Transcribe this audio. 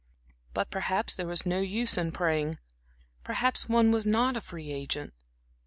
But perhaps there was no use in praying; perhaps one was not a free agent.